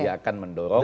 dia akan mendorong